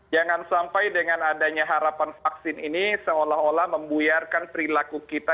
jangan sampai dengan adanya harapan vaksin ini seolah olah membuyarkan perilaku kita